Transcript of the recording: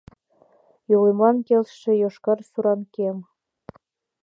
Йолемлан келшыше йошкар суран кем